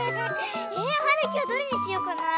えはるきはどれにしようかなあ？